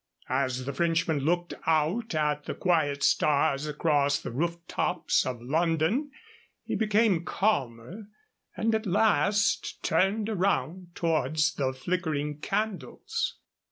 As the Frenchman looked out at the quiet stars across the roof tops of London he became calmer, and at last turned around towards the flickering candles.